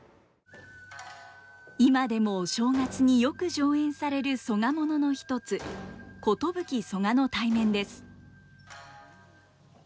今でもお正月によく上演される曽我ものの一つ「寿曽我対面」です。